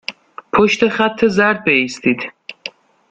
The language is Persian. پشت خط زرد بایستید.